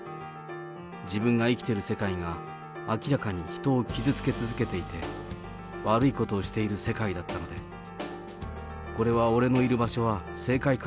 自分が生きてる世界が、明らかに人を傷つけ続けていて、悪いことをしている世界だったので、これは俺のいる場所は正解か？